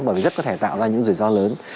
bởi vì rất có thể tạo ra những rủi ro lớn